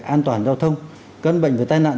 an toàn giao thông căn bệnh về tai nạn